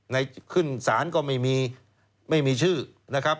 ในขึ้นสารก็ไม่มีชื่อนะครับ